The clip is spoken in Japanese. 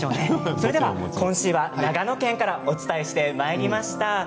それでは今週は長野県からお伝えしてまいりました。